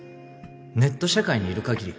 ネット社会にいるかぎり